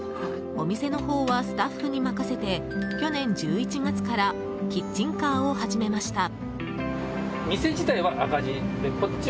お店のほうはスタッフに任せて去年１１月からキッチンカーを始めました。